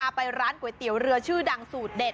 ไปร้านก๋วยเตี๋ยวเรือชื่อดังสูตรเด็ด